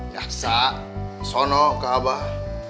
yaksa sono ke abah